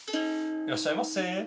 「いらっしゃいませ」。